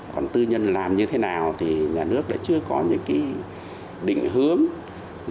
còn tư nhân làm như thế nào thì nhà nước đã chưa có những cái định hướng